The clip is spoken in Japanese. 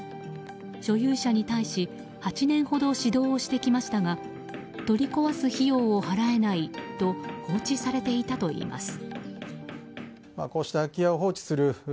所有者に対し８年ほど指導をしてきましたが取り壊す費用を払えないと放置されていたといいます。